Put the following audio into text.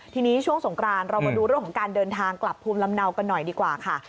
ทีนี้ช่วงสงกรานเรามาดูเรื่องของการเดินทางกลับภูมิลำเนากันหน่อยดีกว่าค่ะ